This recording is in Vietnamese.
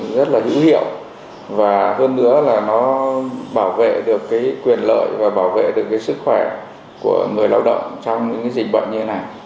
rất là hữu hiệu và hơn nữa là nó bảo vệ được cái quyền lợi và bảo vệ được cái sức khỏe của người lao động trong những dịch bệnh như thế này